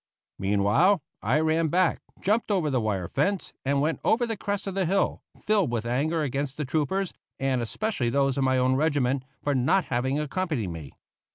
Meanwhile, I ran back, jumped over the wire fence, and went over the crest of the hill, filled with anger against the troopers, and especially those of my own regiment, for not having accompanied me.